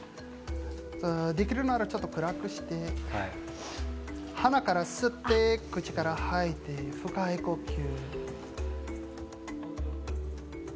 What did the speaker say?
できるなら暗くして、鼻から吸って、口から吐いて深い呼吸。